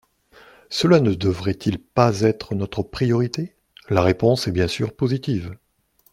Cela ne devrait-il pas être notre priorité ? La réponse est bien sûr positive.